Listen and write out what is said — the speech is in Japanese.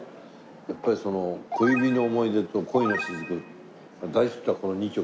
やっぱりその『小指の想い出』と『恋のしずく』大ヒットはこの２曲。